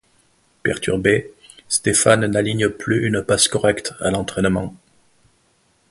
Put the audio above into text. Perturbé, Stéphane n'aligne plus une passe correcte à l'entraînement.